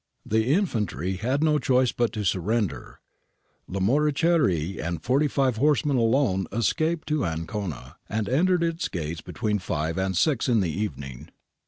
The in fantry had no choice but to surrender. Lamoriciere and forty five horsemen alone escaped to Ancona, and entered its gates between five and six in the even ing.